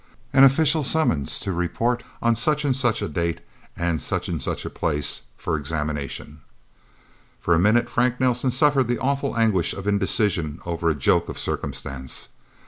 An official summons to report, on such and such a date and such and such a place, for examination. For a minute Frank Nelsen suffered the awful anguish of indecision over a joke of circumstance.